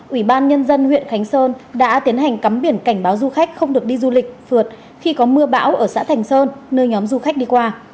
ủy ban nhân dân huyện khánh sơn đã tiến hành cắm biển cảnh báo du khách không được đi du lịch phượt khi có mưa bão ở xã thành sơn nơi nhóm du khách đi qua